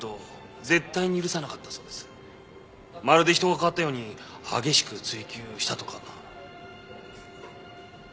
まるで人が変わったように激しく追及したとか。